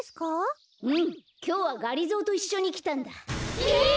うんきょうはがりぞーといっしょにきたんだ。え！？